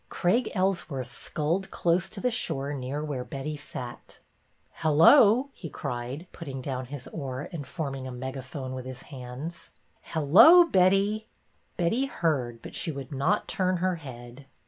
Craig Ellsworth sculled close to the shore near where Betty sat. Hello !" he cried, putting down his oar and forming a megaphone with his hands. Hello, Betty!" Betty heard, but she would not turn her head.